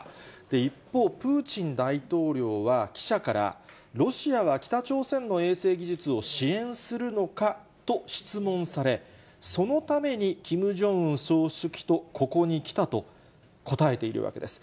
一方、プーチン大統領は記者から、ロシアは北朝鮮の衛星技術を支援するのかと質問され、そのためにキム・ジョンウン総書記とここに来たと答えているわけです。